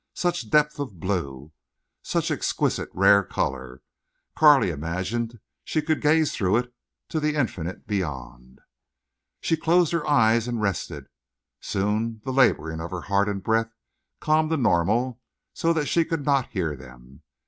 Such depth of blue, such exquisite rare color! Carley imagined she could gaze through it to the infinite beyond. She closed her eyes and rested. Soon the laboring of heart and breath calmed to normal, so that she could not hear them.